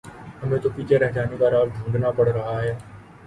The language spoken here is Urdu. ہمیں تو پیچھے رہ جانے کا راز ڈھونڈنا پڑ رہا ہے۔